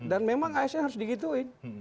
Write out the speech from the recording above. memang asn harus digituin